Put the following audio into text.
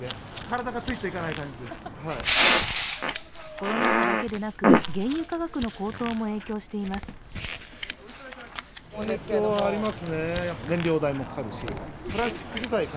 コロナ禍だけでなく、原油価格の高騰も影響しています。